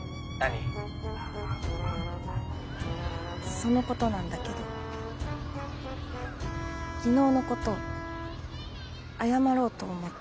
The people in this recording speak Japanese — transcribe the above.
そのことなんだけど昨日のこと謝ろうと思って。